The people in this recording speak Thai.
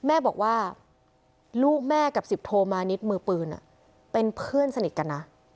แม่บอกว่าลูกแม่กับสิบโทมานิดมือปืนเป็นเพื่อนสนิทกันนะ